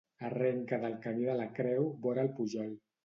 Arrenca del Camí de la Creu, vora el Pujol.